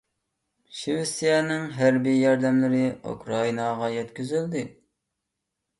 شىۋېتسىيەنىڭ ھەربىي ياردەملىرى ئۇكرائىناغا يەتكۈزۈلدى.